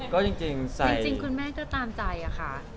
ก็จริงคุณแม่ก็ตามใจอะค่ะ